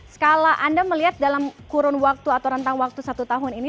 skala anda melihat dalam kurun waktu atau rentang waktu satu tahun ini